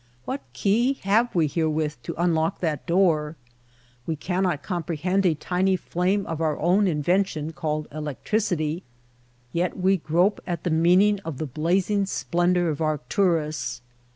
What key have we wherewith to un lock that door ? We cannot comprehend a tiny flame of our own invention called electricity, yet we grope at the meaning of the blazing splendor of Arcturus.